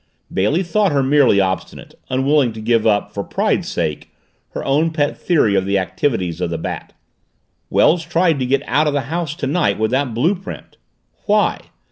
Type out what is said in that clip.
Bailey thought her merely obstinate unwilling to give up, for pride's sake, her own pet theory of the activities of the Bat. "Wells tried to get out of the house tonight with that blue print. Why?